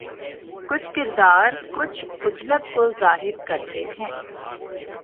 کچھ کردار کچھ عجلت کو ظاہر کرتے ہیں